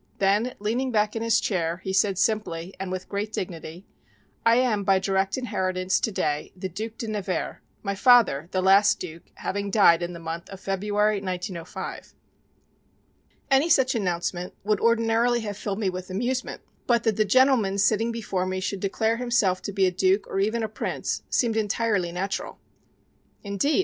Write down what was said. Then leaning back in his chair he said simply and with great dignity, "I am by direct inheritance today the Duc de Nevers, my father, the last duke, having died in the month of February, 1905." Any such announcement would ordinarily have filled me with amusement, but that the gentleman sitting before me should declare himself to be a duke or even a prince seemed entirely natural. "Indeed!"